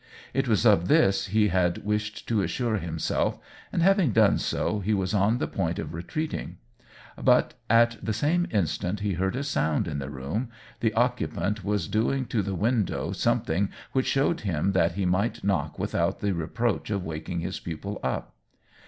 It was of this he had wished to assure himself, and having done so, he was on the point of retreating. But at the same instant he heard a sound in the room — the occupant was doing to the window OWEN WINGRAVE 21 3 something which showed him that he might knock without the reproach of waking his pupil up.